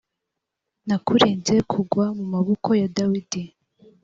nakurinze kugwa mu maboko ya dawidi